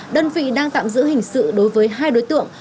đơn vị đang tạm giữ hình sự đối với hai đối tượng